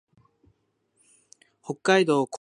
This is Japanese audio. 北海道古平町